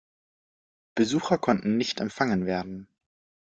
Besucher konnten nicht empfangen werden.